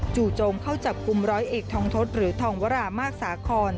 จู่โจมเข้าจับกลุ่มร้อยเอกทองทศหรือทองวรามากสาคอน